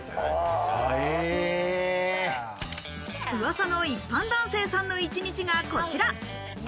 噂の一般男性さんの一日がこちら。